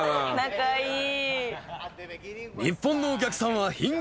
仲いい。